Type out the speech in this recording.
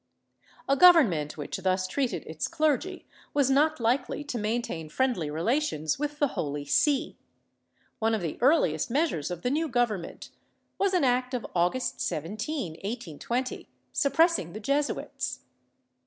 A government which thus treated its clergy was not likel\ to maintain friendly relations with the Holy See. One of the earliest measures of the new government was an act of August 17, 1820, suppressing the Jesuits.